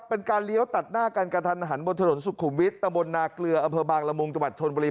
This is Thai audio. เป็นการเลี้ยวตัดหน้าการการทันอาหารบนถนนสุขุมวิทย์ตะบนนาเกลืออบางรมุงจชนบรี